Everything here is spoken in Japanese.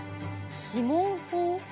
指紋法？